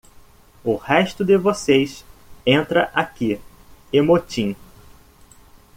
O resto de vocês entra aqui e motim!